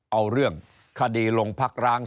เอาเรื่องคดีโรงพักร้าง